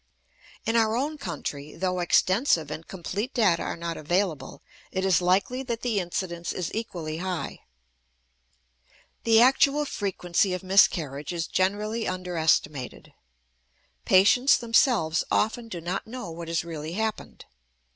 In our own country, though extensive and complete data are not available, it is likely that the incidence is equally high. The actual frequency of miscarriage is generally underestimated. Patients themselves often do not know what has really happened.